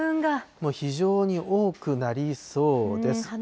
もう非常に多くなりそうです。